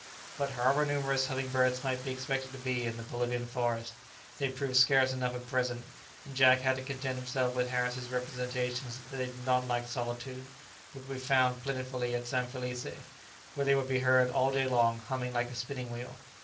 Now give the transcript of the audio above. But however numerous humming birds might be expected to be in the Bolivian forest, they proved scarce enough at present, and Jack had to content himself with Harris's representations that they did not like solitude, but would be found plentifully at San Felice, where they would be heard all day long humming like a spinning wheel.